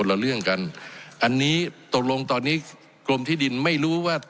ละเรื่องกันอันนี้ตกลงตอนนี้กรมที่ดินไม่รู้ว่า